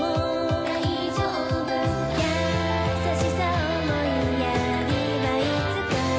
「大丈夫」「優しさ思いやりはいつか」